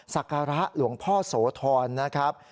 ศักระหลวงพ่อโสธรนะครับ